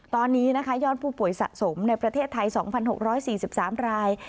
ตอนนี้นะคะยอดผู้ป่วยสะสมในประเทศไทย๒๖๔๓ราย